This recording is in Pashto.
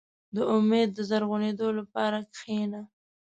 • د امید د زرغونېدو لپاره کښېنه.